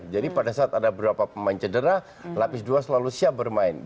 jadi pada saat ada beberapa pemain cedera lapis dua selalu siap bermain